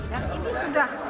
dan ini sudah